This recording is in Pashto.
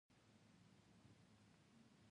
چار مغز د افغانستان د طبیعت یوه برخه ده.